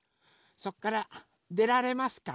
そっからでられますか？